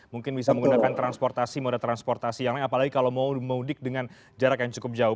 mungkin bisa menggunakan transportasi moda transportasi yang lain apalagi kalau mau mudik dengan jarak yang cukup jauh